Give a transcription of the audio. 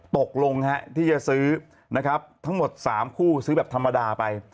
ตกลงที่จะซื้อนะครับทั้งหมด๓คู่ซื้อแบบธรรมดาไป